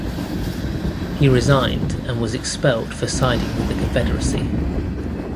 He resigned and was expelled for siding with the Confederacy.